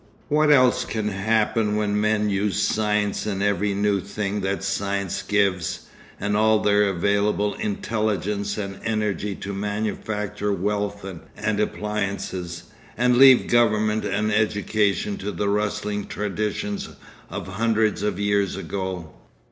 What else can happen when men use science and every new thing that science gives, and all their available intelligence and energy to manufacture wealth and appliances, and leave government and education to the rustling traditions of hundreds of years ago?